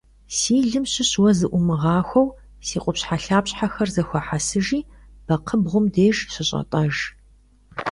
Si lım şış vue zı'uumığaxueu si khupşhelhapşher zexuehesıjji bekxhıbğum dêjj şış'et'ejj.